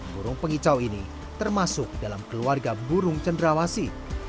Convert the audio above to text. burung pengicau ini termasuk dalam keluarga burung cendrawasi